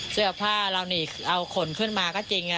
เสื้อผ้าเรานี่เอาขนขึ้นมาก็จริง